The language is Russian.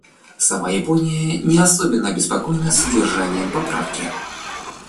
Сама Япония не особенно обеспокоена содержанием поправки.